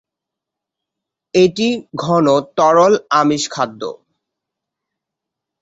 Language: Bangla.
এটি ঘন তরল আমিষ খাদ্য।